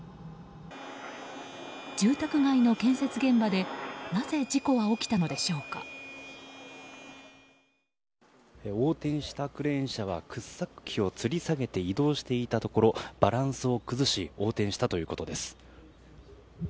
住宅街の建設現場で横転したクレーン車が掘削機をつり下げて移動していたところバランスを崩し横転したということです。